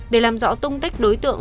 để làm rõ tung tích đối tượng